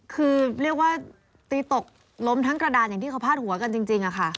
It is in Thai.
คือเรียกว่าตีตกล้มทั้งกระดานอย่างที่เขาพาดหัวกันจริงค่ะ